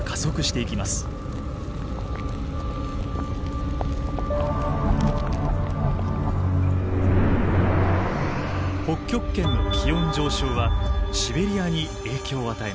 北極圏の気温上昇はシベリアに影響を与えます。